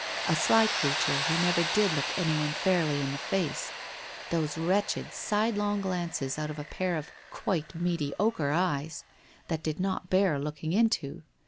A sly creature, who never did look anyone fairly in the face ! Those wretched sidelong glances out of a pair of quite mediocre eyes, that did not bear looking into